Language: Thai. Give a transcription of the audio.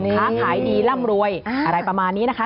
ค้าขายดีร่ำรวยอะไรประมาณนี้นะคะ